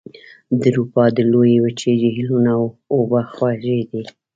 د اروپا د لویې وچې جهیلونو اوبه خوږې دي.